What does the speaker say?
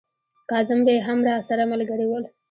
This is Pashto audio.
کاظم بې هم راسره ملګري ول.